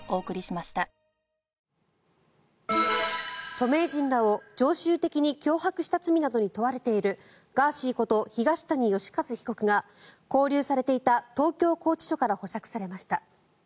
著名人らを常習的に脅迫した罪などに問われているガーシーこと東谷義和被告が拘留されていた東京拘置所から保釈されました。